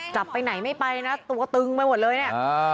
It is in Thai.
ไปไหนไม่ไปนะตัวตึงไปหมดเลยเนี่ย